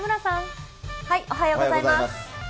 おはようございます。